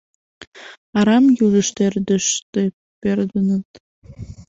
Арам южышт ӧрдыжтӧ пӧрдыныт